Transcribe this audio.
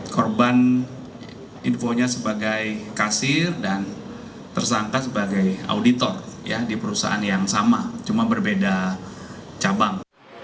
korban infonya sebagai kasir dan tersangka sebagai auditor di perusahaan yang sama cuma berbeda cabang